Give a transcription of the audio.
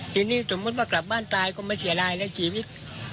ทีนี้สมมุติว่ากลับบ้านตายก็ไม่เสียดายแล้วชีวิต